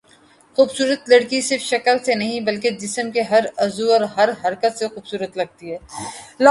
خوبصورت لڑکی صرف شکل سے نہیں بلکہ جسم کے ہر عضو اور ہر حرکت سے خوبصورت لگتی ہے